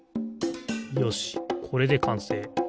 よしこれでかんせい。